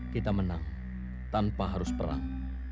kita menang tanpa harus perang